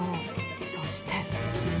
そして。